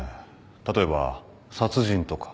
例えば殺人とか。